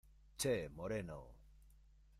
¡ che, moreno!...